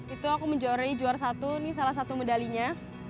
itu aku menjuarai juara satu ini salah satu medalinya